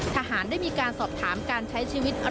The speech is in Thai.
ทหารได้มีการสอบถามการใช้ชีวิต